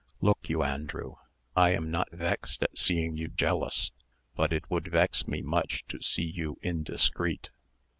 Look you, Andrew, I am not vexed at seeing you jealous, but it would vex me much to see you indiscreet."